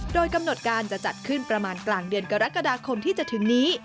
โดยกำหนดการจะจัดขึ้นประมาณกลางเดือนกรกฎาคมที่จะถึงนี้